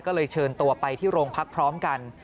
ก็เลยเชิญตัวไปที่โรงพักพร้อมกัน